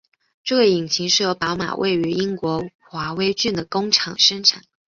这个引擎是由宝马位于英国华威郡的工厂生产。